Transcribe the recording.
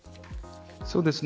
そうですね。